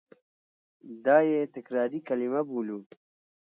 دا یې تکراري کلیمه بولو.